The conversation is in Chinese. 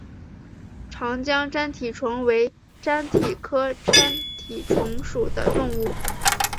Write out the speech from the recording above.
长江粘体虫为粘体科粘体虫属的动物。